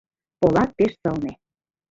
Полат пеш сылне.